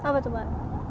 apa tuh pak